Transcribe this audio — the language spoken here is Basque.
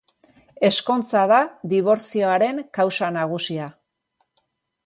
Ezkontza da dibortzioaren kausa nagusia.